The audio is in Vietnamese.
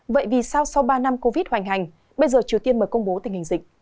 vậy vì sau sau ba năm covid hoành hành bây giờ triều tiên mới công bố tình hình dịch